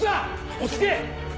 落ち着け！